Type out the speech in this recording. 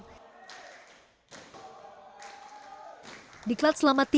diklat selama tiga pekan ini tak melulu urusan baris per baris